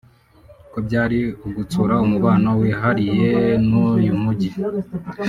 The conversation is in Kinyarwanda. ko byari ugutsura umubano wihariye n’uyu mujyi